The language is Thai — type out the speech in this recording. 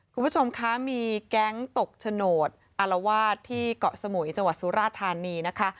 คุณผู้ชมคะมีแก๊งตกโฉนดอารวาสที่เกาะสมุยจังหวัดสุราธานีนะคะ